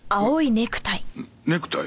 ネクタイ？